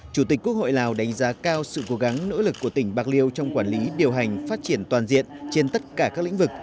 chủ tịch quốc hội lào đánh giá cao sự cố gắng nỗ lực của tỉnh bạc liêu trong quản lý điều hành phát triển toàn diện trên tất cả các lĩnh vực